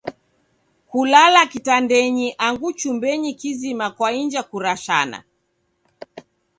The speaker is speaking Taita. Kulala kitandenyi angu chumbenyi kizima kwainja kurashana.